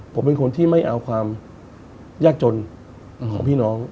ผมเป็นคนที่ไม่เอาความยากจนของพี่น้อง